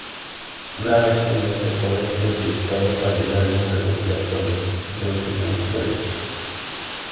Una versión de este cover fue utilizada para el álbum recopilatorio "The Ultimate Collection".